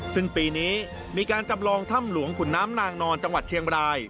ซึ่งปีนี้มีการจำลองถ้ำหลวงขุนน้ำนางนอนจังหวัดเชียงบราย